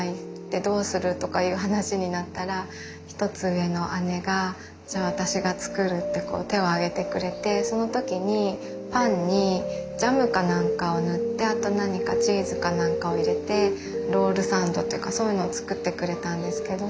でどうするとかいう話になったら１つ上の姉がじゃあ私が作るって手を挙げてくれてその時にパンにジャムか何かをぬってあと何かチーズか何かを入れてロールサンドっていうかそういうのを作ってくれたんですけど。